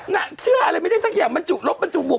นางเชื่ออะไรไม่ได้สักอย่างบรรจุลบบรรจุบวก